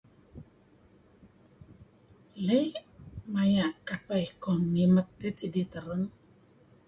Iih maya' kapeh iko ngimt idih terun.